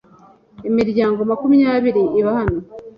Imiryango makumyabiri iba hano.